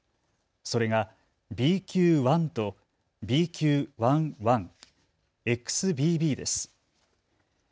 それがＢＱ．１とＢＱ．１．１、ＸＢＢです。